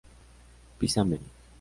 Pisa Mem.